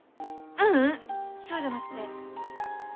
ううんそうじゃなくて。